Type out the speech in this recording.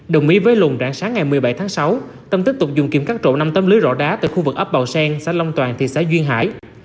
đồng ý với lùng rạng sáng ngày một mươi bảy tháng sáu tâm tiếp tục dùng kiểm cắt trộ năm tấm lưới rõ đá tại khu vực ấp bào sen xã long toàn thị xã duyên hải